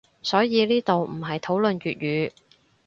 所以呢度唔係討論粵語